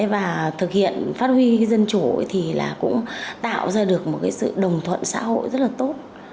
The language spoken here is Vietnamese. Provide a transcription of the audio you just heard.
và thực hiện phát huy dân chủ thì cũng tạo ra được một sự đồng thuận xã hội rất là tốt